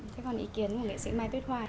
thế còn ý kiến của nghệ sĩ mai tuyết hoan